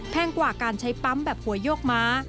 กว่าการใช้ปั๊มแบบหัวโยกม้า